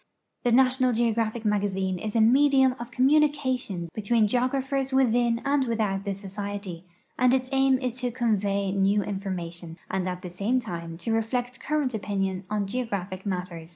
The X.\ti()Xal Geogk.\phic ]\I.\g.\zixe is a medium of com munication between geographers within and without the Society, and its aim is to convey new information and at the same time to reflect current opinion on geographic matters.